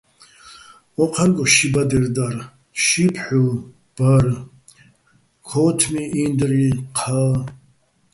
ო́ჴარგო ში ბადერ დარ, ში ფჰ̦უ ბარ, ქო́თმი, ინდრი, ჴა.